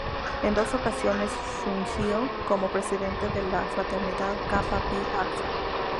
En dos ocasiones fungió como Presidente de la Fraternidad Kappa Pi Alfa.